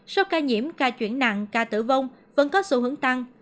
sau ca nhiễm ca chuyển nặng ca tử vong vẫn có sự hướng tăng